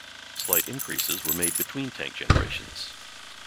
Slight increases were made between tank generations.